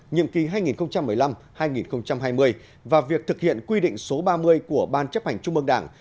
nhiệm kỳ hai nghìn một mươi năm hai nghìn hai mươi và việc thực hiện quy định số ba mươi của ban chấp hành trung mương đảng